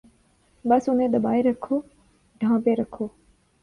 بس انہیں دبائے رکھو، ڈھانپے رکھو۔